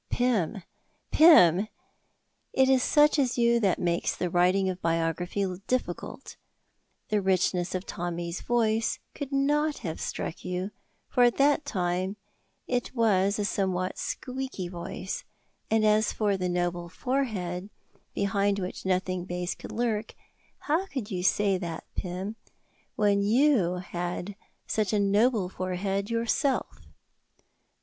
Pym, Pym! it is such as you that makes the writing of biography difficult. The richness of Tommy's voice could not have struck you, for at that time it was a somewhat squeaky voice; and as for the noble forehead behind which nothing base could lurk, how could you say that, Pym, you who had a noble forehead yourself?